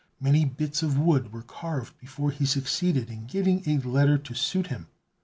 Many bits of wood were carved before he succeeded in getting a letter to suit him.